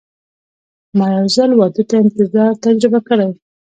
ما یو ځل واده ته انتظار تجربه کړی.